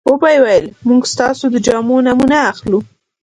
وبه یې ویل موږ ستاسو د جامو نمونه اخلو.